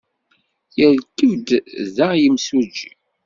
Yerkeb-d da yimsujji?